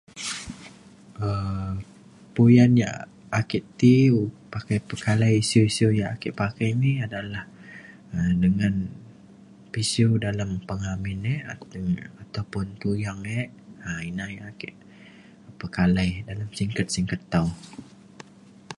um puyan yak ake ti pakai pekalai isiu isiu yak ake pakai ini adalah um dengan pisiu dalem pengamin e ataupun tuyang e. ina yak ake pekalai dalam singget singget tau